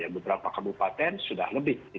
beberapa kabupaten sudah lebih